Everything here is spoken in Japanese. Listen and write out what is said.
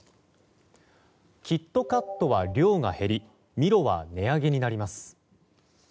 キットカットは量が減りミロは値上げになります。